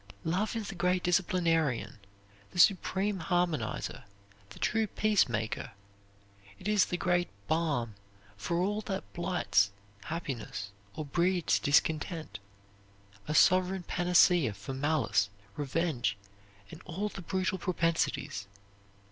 Love is the great disciplinarian, the supreme harmonizer, the true peacemaker. It is the great balm for all that blights happiness or breeds discontent, a sovereign panacea for malice, revenge, and all the brutal propensities.